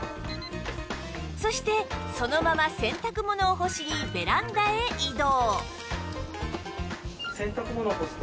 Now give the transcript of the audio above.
そしてそのまま洗濯物を干しにベランダへ移動